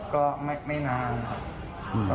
ก็ไม่นานครับ